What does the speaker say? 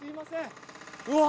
うわ